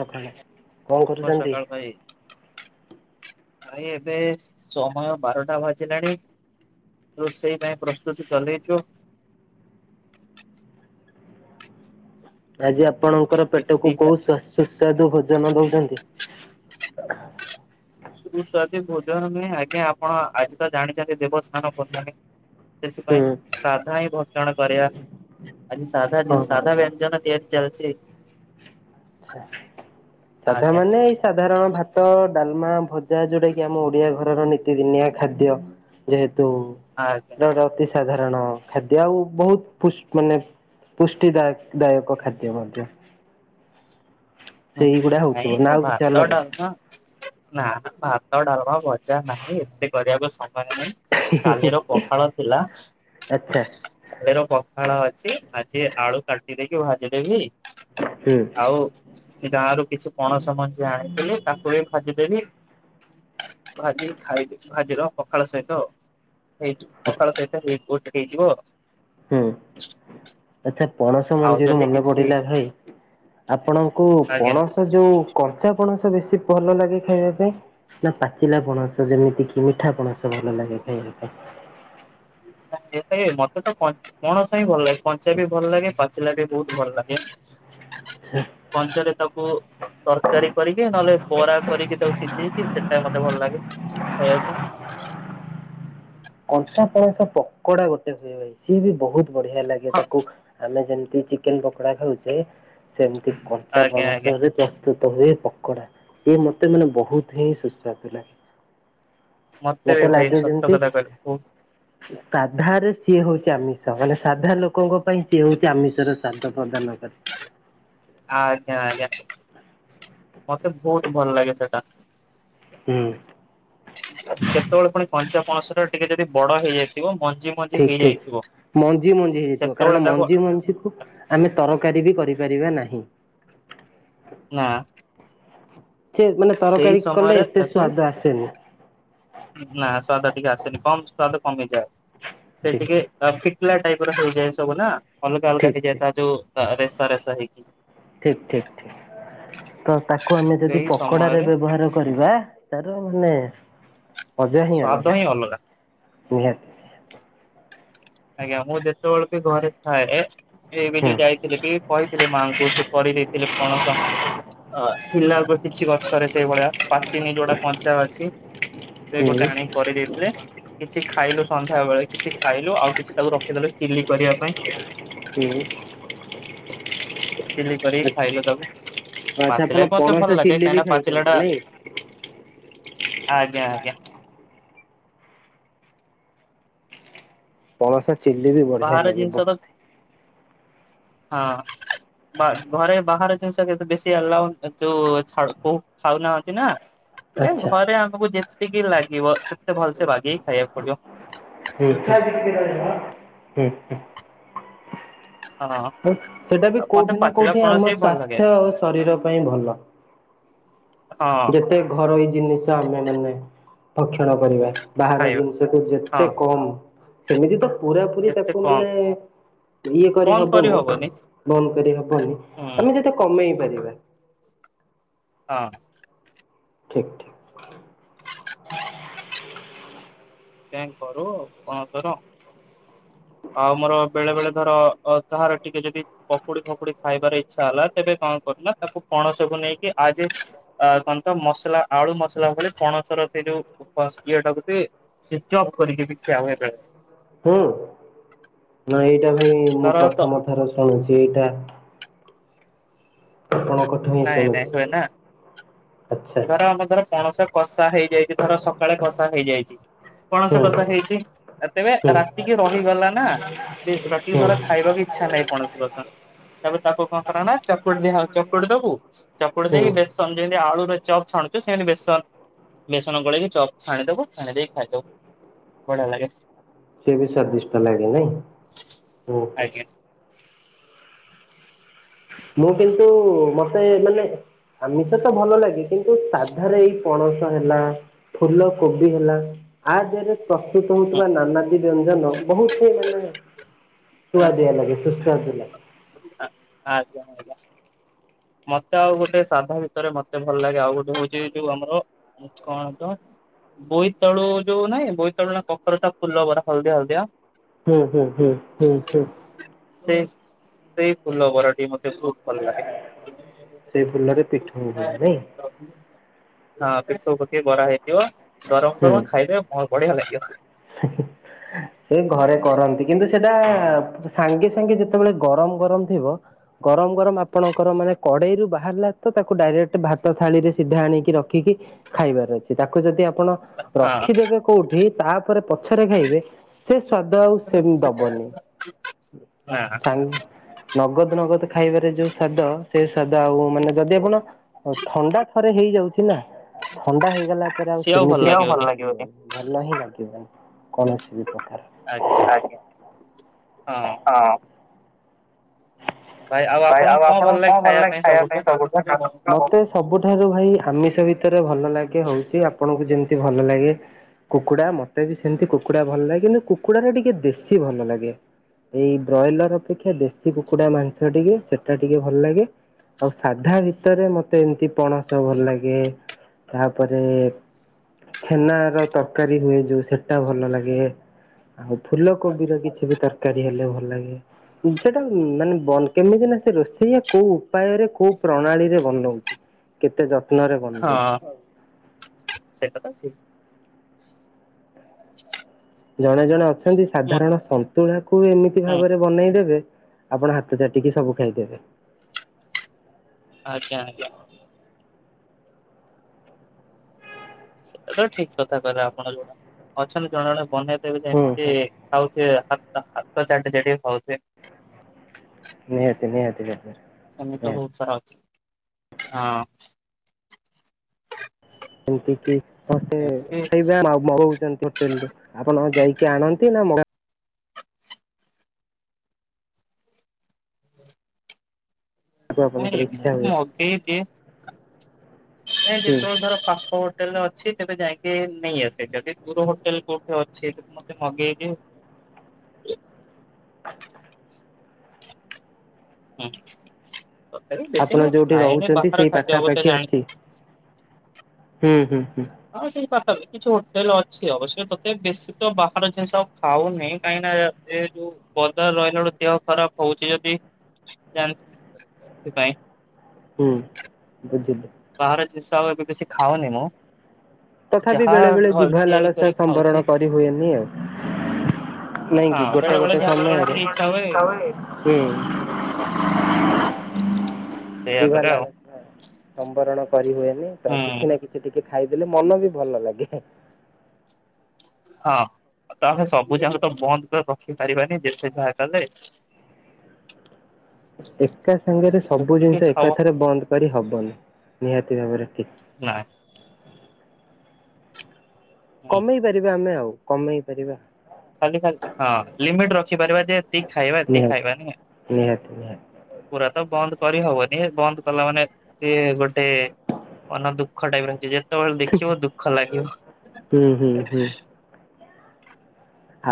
ସଖାଳେ ସୁଭ ସକାଳ ଭାଇ ଭାଇ ଏବେ ସମୟ ବାରଟା ବାଜିଲାଣି ରୋଷେଇ ପାଇଁ ପ୍ରସ୍ତୁତି ଚଲେଇଛୁ, ଆଜି ଆପଣଙ୍କର କିଛି ପେଟକୁ ଦିଟା କୋଉ ସୁସ୍ୱାଦୁର ଭୋଜନ ଦଉଛନ୍ତି? ସୁସ୍ୱାଦେ ଭୋଜନ ନୁହେଁ ଆଜ୍ଞା ଆପଣ ଆଜି ତ ଜାଣିଛନ୍ତି ଦେବସ୍ଥାନ ପୂର୍ଣ୍ଣମୀ, ହୁଁ ସେଥିପାଇଁ ସାଧା ହିଁ ଭଜଣ କରିବା, ଆଜି ସାଧା ହଁ ଆଜିନ୍ ହଁ ସାଧା ହଁ ବ୍ୟଞ୍ଜନ ତିଆରି ଚାଲିଛି, ସାଧା ଆଜ୍ଞା ମାନେ ଏଇ? ସାଧାରଣ ଭାତ, ଡାଲମା, ଭଜା ଯୋଉଟା କିି ଆମ ଓଡ଼ିଆ ଘରର ନୀତିଦିନିଆ ଖାଦ୍ୟ, ଯେହେତୁ, ଆଜ୍ଞା, ଟ ଅତି ସାଧାରଣ ଖାଦ୍ୟ ଆଉ ବହୁତ୍ ପୁସ୍ ମାନେ, ପୁଷ୍ଟିଦାୟ ଦାୟକ ଖାଦ୍ୟ ମଧ୍ୟ, ହୁଁ ସେଇଗୁଡା ହଉଥିବ ନା ନାଇଁ ଆଉ କିଛି ଭାତ ଅଲଗା? ଡାଲମା, ନା-ନା ଭାତ ଡାଲମା ଭଜା ନାହିଁ ଏତେ କରିବାକୁ ସମୟ ନାହିଁ, କାଲିର ପଖାଳ ଥିଲା, ଆଚ୍ଛା କାଲିର ପଖାଳ ଅଛି ଆଜି ଆଳୁ କାଟିଦେଇକି ଭାଜିଦେବି, ହୁଁ, ଆଉ ସେ ଗାଁ ରୁ କିଛି ପଣସ ମଞ୍ଜି ଆଣିଥିଲି ତାକୁ ବି ଭାଜିଦେବି, ଭାଜିକି ଖାଇବି ଭାଜିର ପଖାଳ ସହିତ, ହେଇଯି ପଖାଳ ସହିତ ହେଇ ଗୋଟେ ହେଇଯିବ ଆଉ, ହୁଁ, ଆଚ୍ଛା ପଣସ ଆଉ ମଞ୍ଜିରୁ ଯଦି ମନେ କିଛି ପଡିଲା ଭାଇ ଆପଣଙ୍କୁ ଆଜ୍ଞା। ପଣସ ଯୋଉ, କଞ୍ଚା ପଣସ ବେଶୀ ଭଲ ଲାଗେ ଖାଇବା ପାଇଁ? ନା ପାଚିଲା ପଣସ ଯେମିତି କି ମିଠା ପଣସ ଭଲ ଲାଗେ ଖାଇବା ପାଇଁ? ନାଇଁ ଏଇଟା ମତେ ତ କଞ୍ଚା ପଣସ ହି ଭଲ ଲାଗେ କଞ୍ଚା ବି ଭଲ ଲାଗେ ପାଚିଲା ବି ବହୁତ୍ ଭଲ ଲାଗେ। ଳ, ପଞ୍ଚରେ ତାକୁ, ତରକାରୀ କରିକି ନହେଲେ ବରା କରିକି ତାକୁ ସିଝେଇକି ସେଟା ମତେ ଭଲ ଲାଗେ ଖାଇବାକୁ, କଞ୍ଚା ପଣସ ପକୋଡ଼ା ଗୋଟେ ହୁଏ ଭାଇ ସିଏ ବି ବହୁତ୍, ବଢ଼ିଆ ଲାଗେ ହଁ ତାକୁ ଆମେ ଯେମତି ଚିକେନ୍ ପକୋଡ଼ା ଖାଉଛେ, ସେମିତି କଞ୍ଚା ଆଜ୍ଞା ଆଜ୍ଞା ପଣସ ରେ ପ ତଏ ପକଡ଼ା ଇଏ ମତେ ମାନେ ବହୁତ୍ ହିଁ ସୁସ୍ୱାଦୁ ଲାଗେ, ମତେ ବି ଭାଇ ଲାଗେ ସତ ଯେମିତି କଥା କହିଲୁ ବହୁତ୍, ସାଧାରେ ସିଏ ହଉଛି ଆମିଷ ମାନେ ସାଧା ଲୋକଙ୍କ ପାଇଁ ସିଏ ହଉଛି ଆମିଷର ସ୍ଵାଦ ପ୍ରଦାନ କରେ, ଆଜ୍ଞା-ଆଜ୍ଞା ମତେ ବହୁତ୍ ଭଲ ଲାଗେ ସେଟା, ହୁଁ, କେତେବେଳେ ପୁଣି କଞ୍ଚା ପଣସ ଟା ଟିକେ ଯଦି ବଡ଼ ହେଇଯାଇଥିବ ମଞ୍ଜି, ମଞ୍ଜି ଠିକ୍-ଠିକ୍ ହେଇଯାଇଥିବ ମଞ୍ଜି-ମଞ୍ଜି ହେଇଯାଇଥିବ ସେତେବେଳେ କାରଣ ତାକୁ ମଞ୍ଜି-ମଞ୍ଜି କୁ, ମାନେ ତରକାରୀ ବି କରିପାରିବା ନାହିଁ, ନା, ସେ ମାନେ ସେଇ ତରକାରୀ କଲେ ସମୟରେ ଏତେ ତାକୁ ସ୍ଵାଦ ଆସେନି, ନା ସ୍ଵାଦ ଟିକେ ଆସେନି କମ ସ୍ଵାଦ କମେଇଯାଏ ସେ ଠିକ ଟିକେ [unintelligible] ଶୁଖିଲା ଟାଇପର ହେଇଯାଏ ସବୁ ନା ଅଲଗ- ଅଲଗା ଠିକ ହେଇଯାଏ ତା ଯୋଉ ତା ରେସା-ରେସା ହେଇକି, ଠିକ୍-ଠିକ୍-ଠିକ୍ ତ ତାକୁ ଆମେ ଯଦି ସେଇ ପକୋଡ଼ାରେ ସମୟରେ ବ୍ୟବହାର କରିବା, ତାର ମାନେ ମଜା ହିଁ ସ୍ଵାଦ ଅଲଗ୍ ଅଲଗା ନିହାତି, ଆଜ୍ଞା ମୁଁ ଯେତେବେଳେ ବି ଘରେ ଥାଏ ଏବେ ହୁଁ। ଯୋଉ ଯାଇଥିଲି କି ପଇ, ଥିଲେ ମାଆଙ୍କୁ ସେ କରିଦେଇଥିଲେ ପଣସ ଅ ଥିଲା କିଛି ଗଛରେ ସେଇଭଳିଆ ପାଚିନି ଯୋଉଟା କଞ୍ଚା ଅଛି। ସେ ହୁଁ ଗୋଟେ ଆଣିକି କରିଦେଇଥିଲେ କିଛି ଖାଇଲୁ ସନ୍ଧ୍ୟା ବେଳେ କିଛି ଖାଇଲୁ ଆଉ କିଛି ତାକୁ ରଖିଦେଲେ ଚିଲି କରିବା ପାଇଁ। ହୁଁ। ଚିଲି କରିକି ଖାଇଲୁ ତାକୁ ଆଚ୍ଛା ଆପଣ ପାଚିଲା ବି ମତେ ପଣସ ଭଲ ଲାଗେ ଚିଲି ବି କାହିଁକି ପାଚିଲା ଖାଇଛନ୍ତି ଟା ନାଇଁ? ଆଜ୍ଞା ଆଜ୍ଞା। ପଳାସ [unintelligible] ଚିଲିବି ବାହାର ଜିନିଷ ତ ହଁ। ବା ଘରେ ବାହାର ଜିନିଷ କେତେ ବେଶୀ ଆଲାଉ ଯୋଉ ଝା କୋଉ ଖାଉନାହାନ୍ତି ନା। ଆଚ୍ଛା ଘରେ ଆମକୁ ଯେତିକି ଲାଗିବ ସେତେ ଭଲ ସେ ବାଗେଇକି ଖାଇବାକୁ ପଡିବ। [inaudible] ହଁ। ସେଇଟା ବି ଆଉ ମତେ କୋଉଠି ନା ପାଚିଲା କୋଉଠି ପଣସ ଆମ ବି ଭଲ ଲାଗେ ସ୍ଵାସ୍ଥ୍ୟ ଆଉ ଶରୀର ପାଇଁ ଭଲ। ହଁ। ଏ ଘରୋଇ ଜିନିଷ ଆମେ ମାନେ ଭକ୍ଷଣ କରିବା। ବାହାର ଖାଇବା ଜିନିଷଠୁ ହଁ ଯେତେ କମ ସେମିତି ତ ପୁରା ପୁରି ଯେତେ ତାକୁ କମ୍ ମାନେ। ଇଏ କରି ହବନି ବନ୍ଦ କରି ହବନି ହୁଁ ଆମେ ଯେତେ କମେଇ ପାରିବା। ହଁ। ଠିକ ଠିକ। କାହିଁକି କରୁ କଣ କର। ଆଉ ମୋର ବେଳେ ବେଳେ ଧର କାହାର ଟିକେ ଯଦି। ପକୁଡି ଫକୁଡି ଖାଇବାର ଇଛା ହେଲା ତେବେ କଣ କରିଲୁ ତାକୁ ପଣସକୁ ନେଇକି ଆଜି। ଅ କଣ ତ ମସଲା ଆଳୁ ମସଲା କଲେ ପଣସର ସେ ଯୋଉ ଇଏଟା [unintelligible] ସି ଚ ଅପ୍ କରିକି ବିକାହୁଏ ବେଳେ। ହୁଁ ନା ଏଇଟା ଭାଇ ମୁଁ ଧର ତ ପ୍ରଥମ ଥର ଶୁଣୁଛି ଏଇଟା। ଆପଣଙ୍କ କ [unintelligible] ନାଇଁ ନାଇଁ ହୁଏ ନା। ଆଚ୍ଛା ଧର ଆମେ ଧର ପଣସ କଷା ହେଇଯାଇଛି ଧର ସକାଳେ କଷା ହେଇଯାଇଛି। ପଣସ ହୁଁ କଷା ହେଇଛି ତେବେ ହୁଁ ରାତିକି ରହିଗଲା ନା। ରାତିକି ହୁଁ ଧର ଖାଇବାକୁ ଇଚ୍ଛା ନାହିଁ ପଣସ କସା। ତାପରେ ତାକୁ କଣ କର ନା ଚକୁଡି ଚକୁଡି ଦବୁ ଚକୁଡି ହୁଁ। ଦେଇକି ବେଶନରେ ଆଳୁ ର ଚପ୍ ଛାଣୁଛୁ ସେମିତି ବେସନ ବେସନ ଗୋଳେଇି ଚପ୍ ଛାଣିଦବୁ ଛାଣି ଦେଇକି ଖାଇଦବୁ। ବଢ଼ିଆ ଲାଗେ। ସେ ବି ସାର୍ ଦିଶଟ ଲାଗେ ନାଇଁ ହୁ ହୁ। ଆଜ୍ଞା ମୁଁ କିନ୍ତୁ ମତେ ମାନେ ଆମିଷ ତ ଭଲ ଲାଗେ କିନ୍ତୁ ସାଧାରେ ଏଇ। ପଣସ ହେଲା ଫୁଲ କୋବି ହେଲା ଆ ଦେହେରେ ପ୍ରସ୍ତୁତ ହୁଁ ହଉଥିବା ନାନାଦି ବ୍ୟଞ୍ଜନ ବହୁତୁ ମାନେ। ସୁଆଦିଆ ଲାଗେ ସୁସ୍ବାଦୁ ଲାଗେ। ଆ ଆଚ୍ଛା। ମତେ ଆଉ ଗୋଟେ ସାଧା ଭିତରେ ମତେ ଭଲ ଲାଗେ ଆଉ ଗୋଟେ ହଉଚି ଯୋଉ ଆମର କଣ ତ ବୋଇତାଳୁ ଯୋଉ ନାଇଁ ବୋଇତାଳୁ ନା କଖାରୁ ଟା ଫୁଲ ବରା ହଳଦିଆ ହଳଦିଆ। ହୁଁ ହୁଁ ହୁଁ ହୁଁ ହୁଁ। ସେ ସେଇ ଫୁଲ ବରାଟି ମତେ ବହୁତୁ ଭଲ ଲାଗେ। ସେଇ ଫୁଲରେ ପିଠା ହୁଏ ନାଇଁ। ହଁ ଏ ସବୁ ପକେଇ ବରା ହେଇଥିବ ଗରମ ଗରମ ଖାଇଲେ ମୋ ତ ବଢିଆ ଲାଗିିବ। ଆଜ୍ଞା। ସେ ଘରେ କରନ୍ତି କିନ୍ତୁ ସେଟା ସାଙ୍ଗେ ସାଙ୍ଗେ ଯେତେବେଳେ ଗରମ ଗରମ ଥିବ ଗରମ ଗରମ ଆପଣଙ୍କର ମାନେ କଡ଼େଇରୁ ବାହାରିଲା ତ ତାକୁ ଡାଇରେକ୍ଟ ଭାତ ଥାଳିରେ ସିଧା ଆଣିକି ରଖିକି ଖାଇବାର ଅଛି। ତାକୁ ଯଦି ଆପଣ ହଁ ରଖିଦେବେ କୋଉଠି ତାପରେ ପଛରେ ଖାଇବେ ସେ ସ୍ଵାଦ ଆଉ ସେମତି ଦବନି। ନା। ସାଙ୍ଗ ନଗଦ ନଗଦ ଖାଇବାରେ ଯୋଉ ସ୍ୱାଦ ସେଇ ସ୍ୱାଦ ଆଉ ମାନେ ଯଦି ଆପଣ ହଉ ଥଣ୍ଡା ଥରେ ହେଇଯାଉଛି ନା ଥଣ୍ଡା ହେଇଗଲା ପରେ ଆଉ ସେମିତି ଭଲ ଲାଗିବନି। [unintelligible] କୌଣସି ବି ପ୍ରକାର। ଆଜ୍ଞା ହଁ। ଭାଇ ଆଉ ଆପଣଙ୍କୁ କଣ ଭଲ ଲାଗେ ଖାଇବା ପାଇଁ ସବୁଠୁ [unintelligible] ସବୁଠାରୁ ଭାଇ ଆମିଷ ଭିତରେ ଭଲ ଲାଗେ ହଉଛି ଆପଣଙ୍କୁ ଯେମିତି ଭଲ ଲାଗେ କୁକୁଡ଼ା ମତେ ବି ସେମିତି କୁକୁଡା ଭଲ ଲାଗେ। କିନ୍ତୁ କୁକୁଡାଟ ଟିକେ ଦେଶୀ ଭଲ ଲାଗେ। ଏଇ ବ୍ରଏଲର ଅପେକ୍ଷା ଦେଶୀ କୁକୁଡା ମାଂସ ଟିକେ ସେଟା ଟିକେ ଭଲ ଲାଗେ ଆଉ ସାଧା ଭିତରେ ମତେ ଏମିତି ପଣସ ଭଲ ଲାଗେ। ତାପରେ ଚ୍ଛେନାର ତରକାରୀ ହୁଏ ଯୋଉ ସେଟା ଭଲ ଲାଗେ। ଆଉ ଫୁଲ କୋବିର କିଛି ବି ତରକାରୀ ହେଲେ ଭଲ ଲାଗେ। ସେଟା ମାନେ କେମିତି ନା ସେ ରୋଷେଇ କୋଉ ଉପାୟରେ କୋଉ ପ୍ରଣାଳୀରେ ବନଉଛି। କେତେ ଯତ୍ନ ରେ ବନଉଛି। ସେଇ କଥା ଠିକ୍। ଜଣେ ଜଣେ ଅଛନ୍ତି ହୁଁ ସାଧାରଣ ସନ୍ତୁଳା କୁ ଏମିତି ଭାବରେ ବନେଇଦେବେ ଆପଣ ହାତ ଚାଟିକି ସବୁ ଖାଇଦେବେ। ଆଜ୍ଞା ଆଜ୍ଞା। ସେଟା ତ ଠିକ କଥା କହିଲେ ଆପଣ ଯୋଉଟା ଅଛନ୍ତି ଜଣେ ଜଣେ ବନେ ଇବେ ହୁଁ ଯେମିତି ହୁଁ ଖାଉଥିବେ ହାତ ଚାଟି ଚାଟି ଖାଉଥିବେ। ନିହାତି ନିହାତି [unintelligible] ସେମିତି ତ ନିହାତି ବହୁତ ସାରା ଅଛି ହଁ। ଏମତି କି ସମସ୍ତେ ସେମିତି ଖାଇବେ [unintelligible] [unintelligible] ଆପଣ ଯାଇକି ଆଣନ୍ତି ନା ଆପଣଙ୍କର ନାଇଁ ମୁଁ ଇଚ୍ଛା ହୁଏ? ମଗେଇଦିଏ। ଏ ହୁଁ ଯେତେବେଳେ ଧର ପାଖ ହୋଟେଲରେ ଅ ଅଛି ତେବେ ଯାଇକି ନେଇ ଆସେ ଯଦି ଦୂର ହୋଟେଲ କୋଉଠି ଅଛି ତ ମତେ ମଗେଇଦିଏ। ହୁଁ ତଥାପି ବେଶୀ ଆପଣ ନୁହେଁ ଯୋଉଠି ଖାଏନି ରହୁଛନ୍ତି ସେଇ ବାହାର ଖାଦ୍ୟ ପାଖାପାଖି ଅବସ୍ଥା ଜାଣି ଅଛି ହୁଁ ହୁଁ ହୁଁ। ହଁ ସେଇ ପାଖରେ କିଛି ହୋଟେଲ ଅଛି ଅବଶ୍ୟ ତୋତେ ବେଶୀ ତ ବାହାର ଜିନିଷ ଖାଉନିଁ କାହିଁକି ନା ଯେହେତୁ ପଦାରେ ରହିଲା ବେଳୁ ଦେହ ଖରାପ ହଉଛି ଯଦି ଜାଣି ସେଥିପାଇଁ। ହୁଁ ବୁଝିଲି। ବାହାର ଜିନିଷ ଆଉ ଏବେ ବେଶି ଖାଉନି ମୁଁ। ତଥାପି ଯାହା ବେଳେ ବେଳେ ଘରେ ଜିଭ ତିଆରି ଲାଳସା କରି ସମ୍ବରଣ ଖାଉଛି କରି ହୁଏନି ଆଉ। ନାଇଁ କିି ହଁ ଗୋଟେ ବେଳେ ବେଳେ ଗୋଟେ ଯାହା କେତେବେଳେ ସମୟରେ ଟିକେ ଇଚ୍ଛା ହୁଏ ହୁଁ। ଜିଭା ସେଇଆପରା ଆଉ। ଲାଳସା ସମ୍ବରଣ କରି ହୁଏନି ତ ହୁଁ କିଛି ନା କିଛି ଟିକେ ଖାଇଦେଲେ ମନ ବି ଭଲ ଲାଗେ। ହଁ। ତା ଆମେ ସବୁ ଯାକ ତ ବନ୍ଦ କରି ରଖିପାରିବାନି ଯେତେ ଯାହା କଲେ। ଏକା ସାଙ୍ଗରେ ସବୁ ଯେତିକି ଜିନିଷ ଖାଉ ଏକାଥରେ ବନ୍ଦ କରି ହବନି ନିହାତି ଭାବରେ କି ନା। ହୁଁ କମେଇ ପାରିବା ଆମେ ଆଉ କମେଇ ପାରିବା। ଖାଲି ଖା ହଁ ଲିମିଟ ରଖିପାରିବା ଯେ ଖାଇବା ନିହାତି ଖାଇବା ନି। ନିହାତି ନିହାତି ପୁରା ତ ବନ୍ଦ କରି ହବନି ବନ୍ଦ କଲା ମାନେ ସେ ଗୋଟେ ମନ ଦୁଃଖ ଟାଇପ ରହିଛି ଯେତେବେଳେ ଦେଖିବ ଦୁଃଖ ଲାଗିବ। ହୁଁ ହୁଁ ହୁଁ।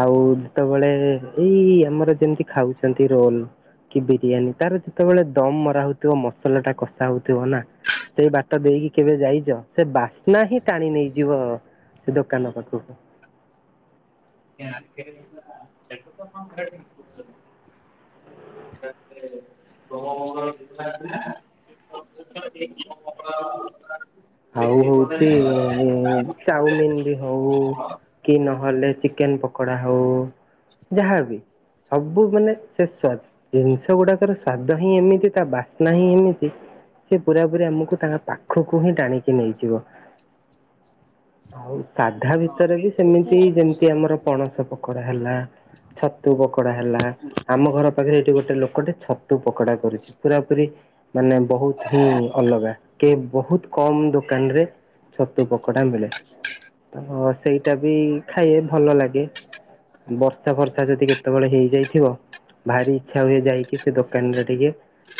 ଆଉ ଯେତେବେଳେ ଏଇ ଆମର ଯେମିତି ଖାଉଛନ୍ତି ରୋଲ। କି ବିରିୟାନୀ ତାର ଯେତେବେଳେ ଦମ ମରା ହଉଥିବ ମସଲା ଟା କଷା ହଉଥିବ ନା। ସେଇ ବାଟ ଦେଇକି କେବେ ଯାଇଛ ସେ ବାସ୍ନା ହିଁ ଟାଣି ନେଇଯିବ ସେ ଦୋକାନ ପାଖକୁ। [unintelligible] ସେଟା ତ କଣ କହିବା ପାଇଁ ବୁଝୁନି। ତା ପରେ ସୋମ, ମଙ୍ଗଳ, ବୁଧବାର ଥିଲା। [inaudible] ଆଉ ହଉଛି ଚାଉମିନ ବି ହଉ। କି ନହେଲେ ଚିକେନ ପକୋଡା ହଉ ଯାହାବି। ସବୁ ମାନେ ସେ ସ୍ୱାଦ ଜିନିଷ ଗୁଡାକର ସ୍ଵାଦ ହିଁ ଏମିତି ତା ବାସ୍ନା ହିଁ ଏମିତି ସେ ପୁରାପୁରି ଆମକୁ ତାଙ୍କ ପାଖକୁ ହିଁ ଟାଣିକି ନେଇଯିବ। ଆଉ ସାଧା ଭିତରେ ବି ସେମିତି ଯେମିତି ଆମର ପଣସ ପ କୋଡା ହେଲା ଛତୁ ପକୋଡା ହେଲା ଆମ ଘର ପାଖରେ ଏଇଠି ଗୋଟେ ଲୋକଟେ ଛ ତୁ ପକଡା କରୁଛି ପୁରା ପୁରି ମାନେ ବହୁତ ହିଁ ଅଲଗା କି ବହୁତ କମ୍ ଦୋ କାନ ରେ ଛତୁ ପକୋଡା ମିଳେ। ତ ସେଇଟା ବି ଖାଏ ଭଲ ଲାଗେ। ବର୍ଷା ଫର୍ଷା ଯଦି କେତେବେଳେ ହେଇଯାଇଥିବ। ଭାରି ଇଚ୍ଛା ହୁଏ ଯାଇକି ସେ ଦୋକାନରେ ଟିକେ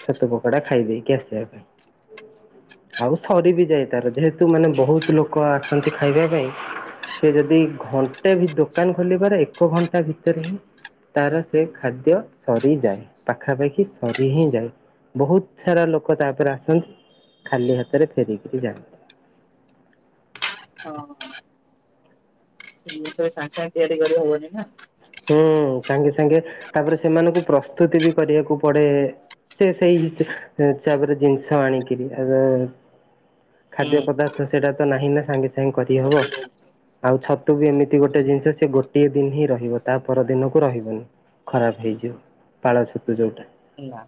ଛତୁ ପକୋଡା ଖାଇ ଦେଇକି ଆସିବା ପାଇଁ ଆଉ ସରି ବି ଯାଏ ତାର, ଯେହେତୁ ମାନେ ବହୁତ ଲୋକ ଆସନ୍ତି ଖାଇବା ପାଇଁ। ସେ ଯଦି ଘଣ୍ଟେ ବି ଦୋକାନ ଖୋଲିବାର ଏକ ଘଣ୍ଟା ଭିତରେ ହିଁ ତାର ସେ ଖାଦ୍ୟ ସରିଯାଏ ପାଖାପାଖି ସରି ହିଁ ଯାଏ। ବହୁତ୍ ସାରା ଲୋକ ତାପରେ ଆସନ୍ତି ଖାଲି ହାତରେ ଫେରିକିରି ଯାଆନ୍ତି। ହଁ। [unintelligible] ସାଙ୍ଗେ ସାଙ୍ଗେ ତିଆରି କରି ହବନି ନା। ହୁଁ ସାଙ୍ଗେ ସାଙ୍ଗେ ତାପରେ ସେମାନଙ୍କୁ ପ୍ରସ୍ତୁତି ବି କରିବାକୁ ପଡେ। ସେ ସେଇ ହିସାବରେ ଜିନିଷ ଆଣିକିରି ଏବେ ଖାଦ୍ୟ ହୁଁ। ପଦାର୍ଥ ସେଇଟା ତ ନାହିଁ ନା ସାଙ୍ଗେ ସାଙ୍ଗେ କରିହବ। ଆଉ ଛତୁ ବି ଏମିତି ଗୋଟେ ଜିନିଷ ସେ ଗୋଟିଏ ଦିନ୍‌ ହିଁ ରହିବ। ତା ପରଦିନକୁ ରହିବନି ଖରାପ ହେଇଯିବ ପାଳ ଛତୁ ଯୋଉଟା। ନା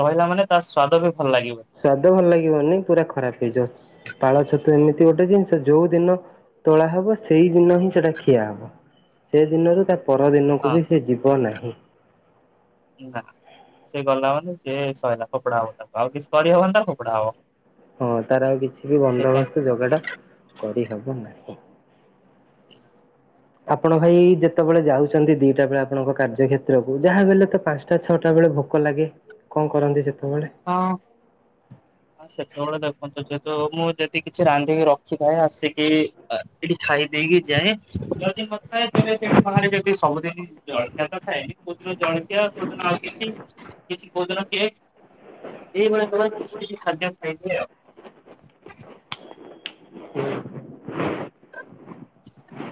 ରହିଲା ମାନେ ତାର ସ୍ଵାଦ ବି ଭଲ ଲାଗିବ ସ୍ଵାଦ ଭଲ ଲାଗିବନି ପୁରା ଖରାପ ହେଇଯିବ। ପାଳ ଛତୁ ଏମିତି ଗୋଟେ ଜିନିଷ ଯୋଉ ଦିନ ତୋଳା ହବ ସେଇ ଦିନ ହିଁ ସେଇଟା ଖିଆ ହବ। ସେ ଦିନରୁ ତା ପରଦିନକୁ ହଁ ବି ସେ ଯିବ ନାହିଁ। ନା ସେ ଗଲା ମାନେ ସେଏ ସହିଲା ଫୋପାଡା ହବ ତାକୁ ଆଉ କିଛି କରି ହବନି ତ ଫୋପଡ଼ା ହେବ। ହଁ ତାର ଆଉ କିଛି ବି ବନ୍ଦୋବସ୍ତ ଯୋଗାଡ଼ କରି ହେବ ନାହିଁ। [inaudible] ଆପଣ ଭାଇ ଯେତେବେଳେ ଯାଉଛନ୍ତି ଦିଟା ବେଳେ ଆପଣଙ୍କ କାର୍ଯ୍ୟ କ୍ଷେତ୍ରକୁ ଯାହା ହେଲେ ତ ପାଞ୍ଚ ଞ୍ଚଟା ଛଅଟା ବେଳେ ଭୋକ ଲାଗେ କଣ କରନ୍ତି ସେତେବେଳେ? ହଁ। ସେତେବେଳେ ଦେଖନ୍ତୁ ଯେହେତୁ ମୁଁ ଯଦି କିଛି ରାନ୍ଧିକି ରଖିଥାଏ ଆସିକି ଏଠି ଖାଇ ଦେଇେଇକି ଯାଏ। ଯଦି ନଥାଏ ତେବେ ସେଠି ବାହାରେ ଯଦି ସବୁଦିନେ ଜଳଖିଆ ତ ଥାଏନି କୋଉଦିନ ଜଳଖିଆ କୋଉଦିନ ଆଉ କିଛି କିଛି କୋଉଦିନ କେକ୍। ଏଇଭଳିଆଙ୍କ ପାଇଁ କିଛି କିଛି ଖାଦ୍ୟ ଖାଇ ଦିଏ ଆଉ। ହୁଁ।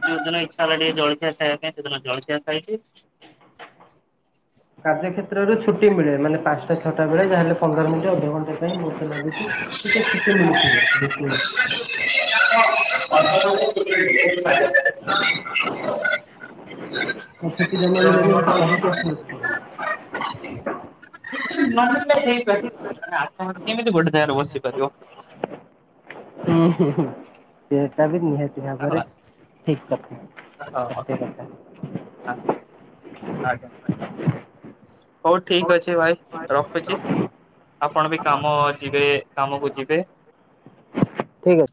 ଯୋଉ ଦିନ ଇଚ୍ଛା ହେଲା ଟିକିଏ ଜଳଖିଆ ଖାଇବା ପାଇଁ ସେଦିନ ଜଳଖିଆ ଖାଇ ଦିଏ। କାର୍ଯ୍ୟ କ୍ଷେତ୍ରରେ ଛୁଟି ମିଳେ ମାନେ ପାଞ୍ଚଟା ଛଅଟା ବେଳେ ଯାହାେଲେ ପନ୍ଦର ମିନିଟ ଅଧଘଣ୍ଟା ପାଇଁ ବହୁତ ଲାଗୁଛି। ଟିକେ ଛୁଟି ମିଳିଥିବ। ବେ [unintelligible] ହଁ। [inaudible] [inaudible] ଆଉ ଛୁଟି ଟା ନ ମିଳିଥିଲେ ତୁ କଣ କରିଥାନ୍ତୁ। [inaudible] ସେ ନବସିଲେ ହେଇପାରିବନି। ଜଣେ ଆତ୍ମହତ୍ୟା--କେମିତି ଗୋଟେ ଜାଗାରେ ବସିପାରିବ? ହୁଁ ହୁଁ ସେଟା ବି ନିହାତି ଏହା ପରେ ହେଲା। ଠିକ୍ କଥା ସତ୍ୟ କଥା। ଆ ଆଜ୍ଞା। ହଉ ଠିକ ଅଛି ଭାଇ ରଖୁଛି। ଆପଣ ବି କାମ ଯିବେ କାମକୁ ଯିବେ। ଠିକ୍ ଅଛି।